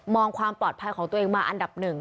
องความปลอดภัยของตัวเองมาอันดับหนึ่ง